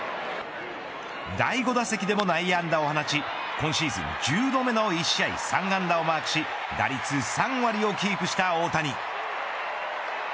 第５打席でも内野安打を放ち今シーズン１０度目の１試合３安打をマークし打率３割をキープした大谷。